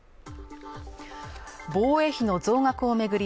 防衛費の増額を巡り